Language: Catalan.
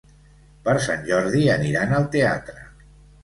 Per Sant Jordi aniran al teatre.